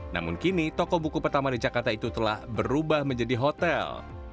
namun kini toko buku pertama di jakarta itu telah berubah menjadi hotel